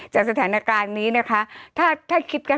จากสถานการณ์นี้นะคะ